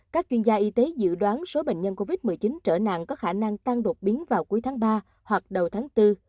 các chuyên gia y tế dự đoán số bệnh nhân covid một mươi chín trở nặng có khả năng tăng đột biến vào cuối tháng ba hoặc đầu tháng bốn